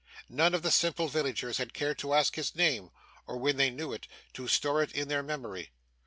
None of the simple villagers had cared to ask his name, or, when they knew it, to store it in their memory.